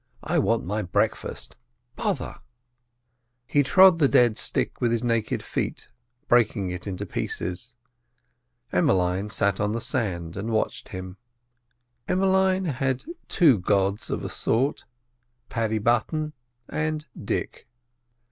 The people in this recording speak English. I want my breakfast. Bother——" He trod the dead stick with his naked feet, breaking it into pieces. Emmeline sat on the sand and watched him. Emmeline had two gods of a sort: Paddy Button and Dick.